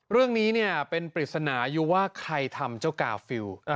เรื่องนี้เป็นปริศนาอยู่ว่าใครทำเจ้ากาฟิล